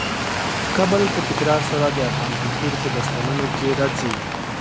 کابل په تکرار سره د افغان کلتور په داستانونو کې راځي.